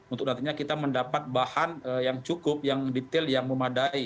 untuk datanya kita mendapat bahan yang cukup yang detail yang memadai